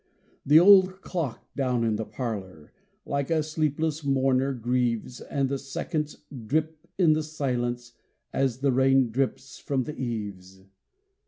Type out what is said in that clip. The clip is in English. The old clock down in the parlor Like a sleepless mourner grieves, And the seconds drip in the silence As the rain drips from the eaves.